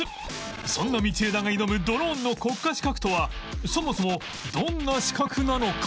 そんな道枝が挑むドローンの国家資格とはそもそもどんな資格なのか？